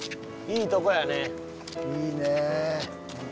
いいね。